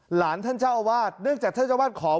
หลานท่านเจ้าอาวาสเนื่องจากท่านเจ้าวาดขอ